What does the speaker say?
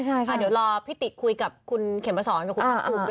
เดี๋ยวรอพี่ติคุยกับคุณเขมสอนกับคุณภาคภูมิ